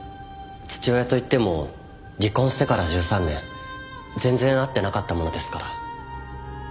父親といっても離婚してから１３年全然会ってなかったものですから。